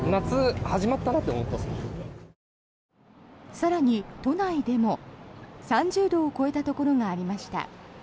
更に、都内でも３０度を超えたところがありました。